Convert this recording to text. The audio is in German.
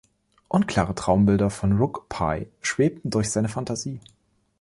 Unklare Traumbilder von Rook Pie schwebten durch seine Fantasie.